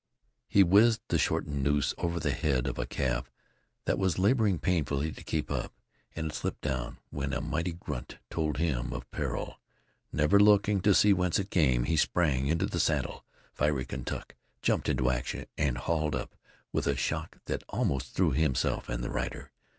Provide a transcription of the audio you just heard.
He whizzed the shortened noose over the head of a calf that was laboring painfully to keep up, and had slipped down, when a mighty grunt told him of peril. Never looking to see whence it came, he sprang into the saddle. Fiery Kentuck jumped into action, then hauled up with a shock that almost threw himself and rider.